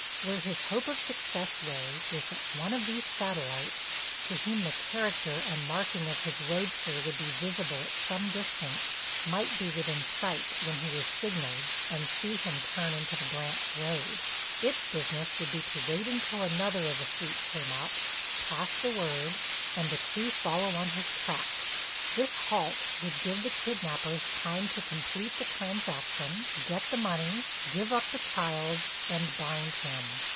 Where his hope of success lay was that one of these satellites, to whom the character and marking of his roadster would be visible at some distance, might be within sight when he was signaled and see him turn into the branch road. Its business would be to wait until another of the fleet came up, pass the word, and the two follow on his tracks. This halt would give the kidnapers time to complete the transaction, get the money, give up the child, and bind him.